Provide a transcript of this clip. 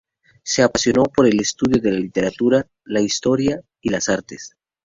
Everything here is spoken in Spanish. Se apasionó por el estudio de la literatura, la historia y las artes.